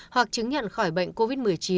hoặc chứng nhận khỏi bệnh covid một mươi chín